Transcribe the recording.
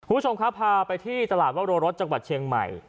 คุณผู้ชมครับพาไปที่ตลาดวโรรสจังหวัดเชียงใหม่